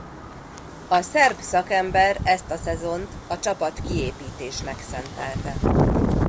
A szerb szakember ezt a szezont a csapat kiépítésnek szentelte.